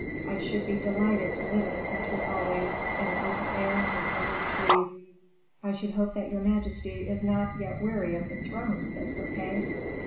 I should be delighted to live in the country always, in the open air and under the trees." "I should hope that your majesty is not yet weary of the throne," said Fouquet.